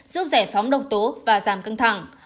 giúp giải phóng độc tố và giảm căng thẳng